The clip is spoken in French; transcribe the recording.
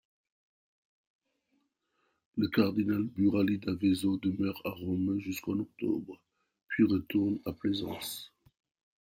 Le cardinal Burali d'Avezzo demeure à Rome jusqu'en octobre, puis retourne à Plaisance.